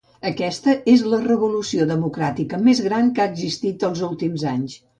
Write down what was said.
Aquesta és la revolució democràtica més gran que ha existit els últims anys.